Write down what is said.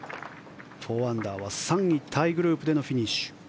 ４アンダーは３位タイグループでのフィニッシュ。